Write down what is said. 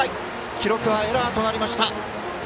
記録はエラーとなりました。